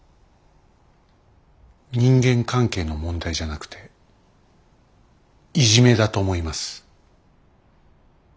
人間関係の問題じゃなくていじめだと思います。